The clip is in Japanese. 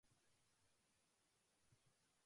トカンティンス州の州都はパルマスである